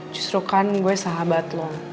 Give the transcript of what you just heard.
justru kan gue sahabat lo